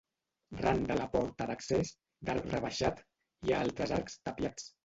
Ran de la porta d'accés, d'arc rebaixat, hi ha altres arcs tapiats.